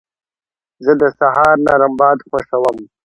زه د سهار نرم باد خوښوم.